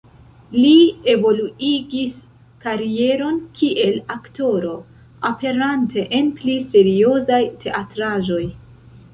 Li evoluigis karieron kiel aktoro, aperante en pli seriozaj teatraĵoj.